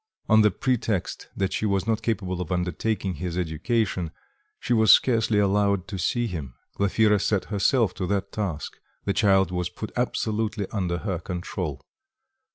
On the pretext that she was not capable of undertaking his education, she was scarcely allowed to see him; Glafira set herself to that task; the child was put absolutely under her control.